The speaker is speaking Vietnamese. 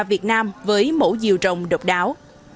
việt nam với mẫu diều rồng độc đáo